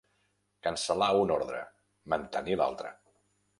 Cancel·lar un ordre, mantenir l'altre.